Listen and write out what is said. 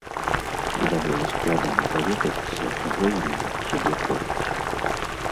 І даволі складана даведацца, чаго яны ад цябе хочуць.